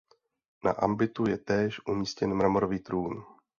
Na ambitu je též umístěn mramorový trůn.